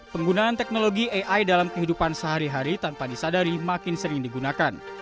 penggunaan teknologi ai dalam kehidupan sehari hari tanpa disadari makin sering digunakan